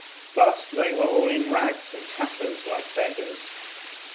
But they were all in rags and tatters like beggars.